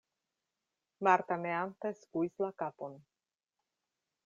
Marta neante skuis la kapon.